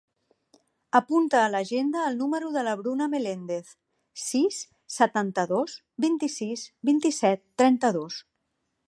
Apunta a l'agenda el número de la Bruna Melendez: sis, setanta-dos, vint-i-sis, vint-i-set, trenta-dos.